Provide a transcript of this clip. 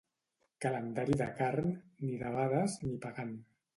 Calendari de carn, ni debades, ni pagant.